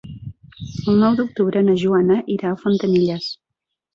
El nou d'octubre na Joana irà a Fontanilles.